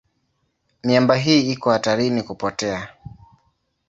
Miamba hii iko hatarini kupotea.